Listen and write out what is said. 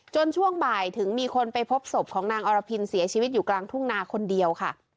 ช่วงบ่ายถึงมีคนไปพบศพของนางอรพินเสียชีวิตอยู่กลางทุ่งนาคนเดียวค่ะ